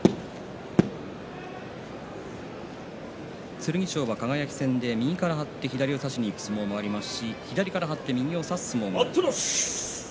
剣翔は輝戦で右から張って左を差しにいく相撲もありますし左を張って右を差す相撲もあります。